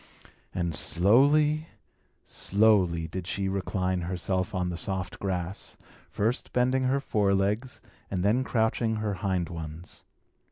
And slowly, slowly did she recline herself on the soft grass, first bending her fore legs, and then crouching her hind ones.